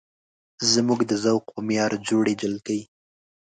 زموږ د ذوق په معیار جوړې جلکۍ